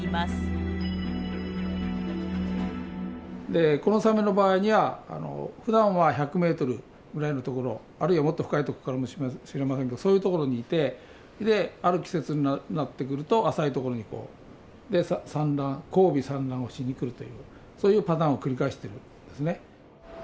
でこのサメの場合にはふだんは１００ｍぐらいの所あるいはもっと深い所からかもしれませんけどそういう所にいてである季節になってくると浅い所にこう交尾産卵をしにくるというそういうパターンを繰り返してるんですね。